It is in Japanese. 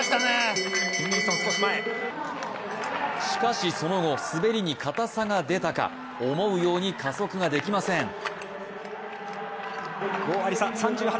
しかしその後、滑りに硬さが出たが思うように加速ができません。